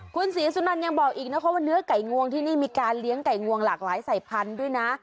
คุณศรีสุนันยังบอกอีกนะคะว่าเนื้อไก่งวงที่นี่มีการเลี้ยงไก่งวงหลากหลายสายพันธุ์ด้วยนะ